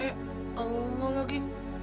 eh allah lagi